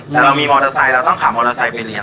แต่เรามีมอเตอร์ไซค์เราต้องขับมอเตอร์ไซค์ไปเรียน